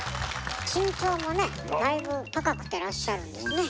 身長もねだいぶ高くてらっしゃるんですね。